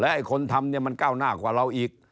ไอ้คนทำเนี่ยมันก้าวหน้ากว่าเราอีก